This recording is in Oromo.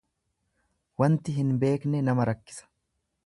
Wanti hin beekne nama rakkisa.